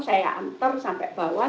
saya antar sampai bawah